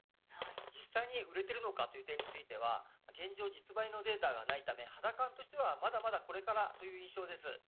実際に売れているのかという点については現状、実売のデータがないため肌感としてはまだまだこれからという印象です。